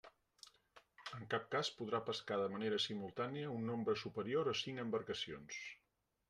En cap cas podrà pescar de manera simultània un nombre superior a cinc embarcacions.